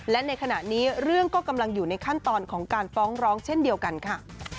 และในขณะนี้เรื่องก็กำลังอยู่ในขั้นตอนของการฟ้องร้องเช่นเดียวกันค่ะ